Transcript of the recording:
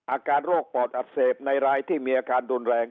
อาการโรคปอดอักเสบในรายที่มีอาการรุนแรง